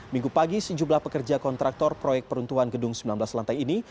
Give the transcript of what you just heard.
minggu pagi sejumlah pekerja kontraktor proyek peruntuhan gedung sembilan belas lantai ini